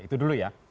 itu dulu ya